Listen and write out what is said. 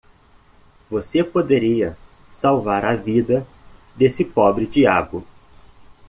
Você poderia salvar a vida desse pobre diabo.